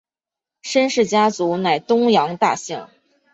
申氏家族乃东阳大姓。